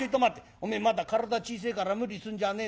おめえまだ体小せえから無理すんじゃねえぞ。